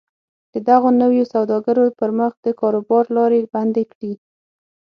د دغو نویو سوداګرو پر مخ د کاروبار لارې بندې کړي